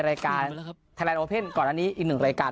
รายการไทยแลนดโอเพ่นก่อนอันนี้อีกหนึ่งรายการ